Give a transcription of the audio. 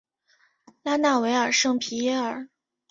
拉纳维尔圣皮耶尔。